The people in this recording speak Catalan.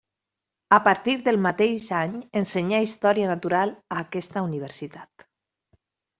A partir del mateix any ensenyà història natural a aquesta universitat.